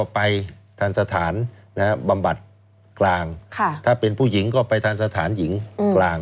ไปทันสถานบำบัดกลางถ้าเป็นผู้หญิงก็ไปทันสถานหญิงกลาง